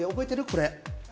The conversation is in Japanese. これ。